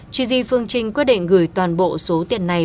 chi di phương trinh quyết định gửi toàn bộ số tiền này